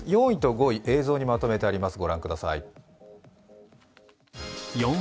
４位と５位、映像にまとめてあります、御覧ください。